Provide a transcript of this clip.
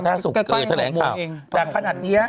แต่ขนาดนี้